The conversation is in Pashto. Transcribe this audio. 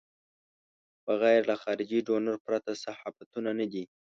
بغیر له خارجي ډونر پرته صحافتونه نه دي.